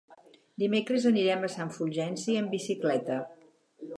Dimecres anirem a Sant Fulgenci amb bicicleta.